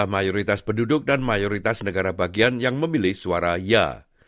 mayoritas penduduk dan mayoritas negara bagian yang memilih suara ya